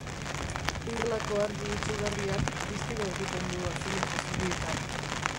Irlako argi itsugarriak distira egiten du azulejo zurietan.